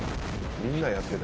みんなやってた。